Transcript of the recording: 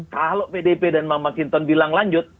kalau pdip dan bang mas inton bilang lanjut